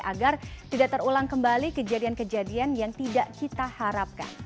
agar tidak terulang kembali kejadian kejadian yang tidak kita harapkan